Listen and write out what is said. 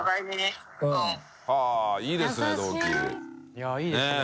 いやいいですね。